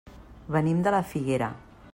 Venim de la Figuera.